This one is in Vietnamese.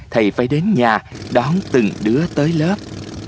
thầy phải đến nhà đón từng đứa tới lớp